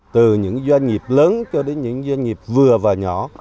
từ những doanh nghiệp lớn cho đến những doanh nghiệp vừa và nhỏ